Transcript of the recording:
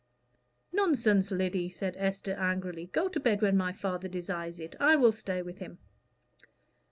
"Nonsense, Lyddy," said Esther, angrily. "Go to bed when my father desires it. I will stay with him."